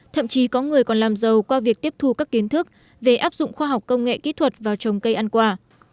thậm chí có người còn làm giàu qua việc tiếp thu các kiến thức về áp dụng khoa học công nghệ kỹ thuật vào trồng cây ăn quả